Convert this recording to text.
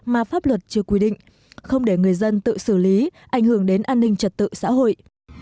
mà pháp luật chưa quy định không để người dân tự xử lý ảnh hưởng đến an ninh trật tự xã hội